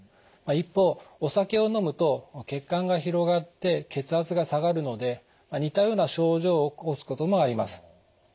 一方お酒を飲むと血管が広がって血圧が下がるので似たような症状を起こすこともあります。